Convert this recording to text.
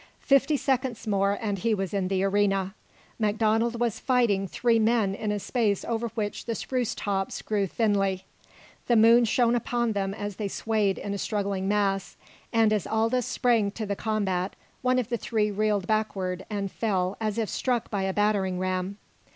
Fifty seconds more and he was in the arena. MacDonald was fighting three men in a space over which the spruce tops grew thinly. The moon shone upon them as they swayed in a struggling mass, and as Aldous sprang to the combat one of the three reeled backward and fell as if struck by a battering ram.